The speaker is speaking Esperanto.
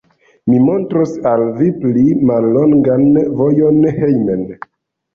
Mi montros al vi pli mallongan vojon hejmen.